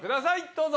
どうぞ。